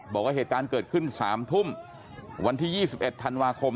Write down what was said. บอกว่าเหตุการณ์เกิดขึ้น๓ทุ่มวันที่๒๑ธันวาคม